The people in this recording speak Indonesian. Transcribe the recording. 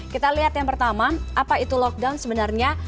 kita lihat yang pertama apa itu lockdown sebenarnya